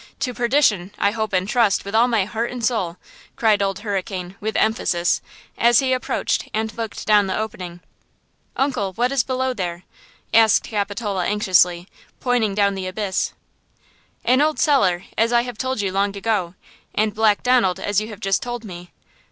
To perdition. I hope and trust, with all my heart and soul!" cried Old Hurricane, with emphasis, as he approached and looked down the opening. "Uncle, what is below there?" asked Capitola anxiously, pointing down the abyss. "An old cellar, as I have told you long ago, and Black Donald, as you have just told me.